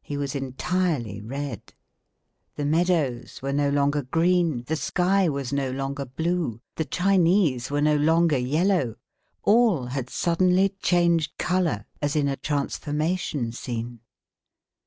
He was entirely red. The meadows were no longer green, the sky was no longer blue, the Chinese were no longer yellow, all had suddenly changed colour as in a transformation scene.